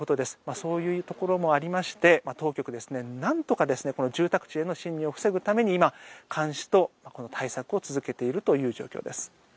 そういうところもありまして当局、なんとか住宅地への進入を防ぐために今、監視と対策を続けているという状況です。